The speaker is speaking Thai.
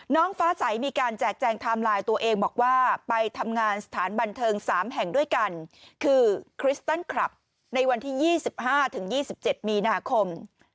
น้องฟ้าใสมีการแจกแจงไทม์ไลน์ตัวเองบอกว่าไปทำงานสถานบันเทิง๓แห่งด้วยกันคือคริสตันคลับในวันที่๒๕๒๗มีนาคม